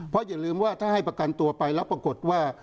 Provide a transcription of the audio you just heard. เพราะอย่าลืมว่าถ้าให้ประกันตัวไปแล้วปรากฏว่า